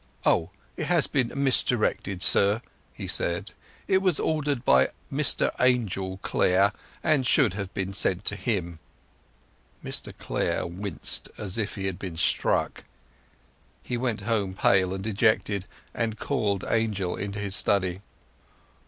"Oh, it has been misdirected, sir," he said. "It was ordered by Mr Angel Clare, and should have been sent to him." Mr Clare winced as if he had been struck. He went home pale and dejected, and called Angel into his study.